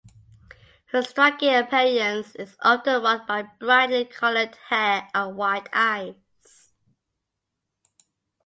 Her striking appearance is often marked by brightly colored hair and wide eyes.